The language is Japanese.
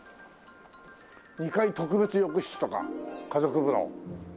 「２階特別浴室」とか「家族風呂」。